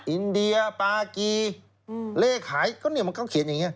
อินเดียปากีเล่ขายก็เนี่ยมันก็เขียนอย่างนี้